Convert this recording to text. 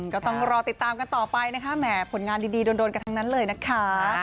ก็ต้องรอติดตามกันต่อไปนะคะแหมผลงานดีโดนกันทั้งนั้นเลยนะคะ